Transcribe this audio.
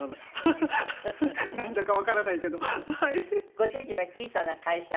ご主人は小さな会社を。